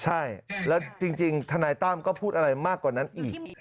ใช่แล้วจริงทนายตั้มก็พูดอะไรมากกว่านั้นอีก